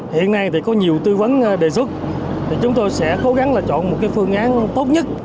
hiện nay có nhiều tư vấn đề xuất chúng tôi sẽ cố gắng chọn một phương án tốt nhất